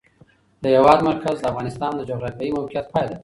د هېواد مرکز د افغانستان د جغرافیایي موقیعت پایله ده.